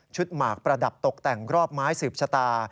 หมากประดับตกแต่งรอบไม้สืบชะตา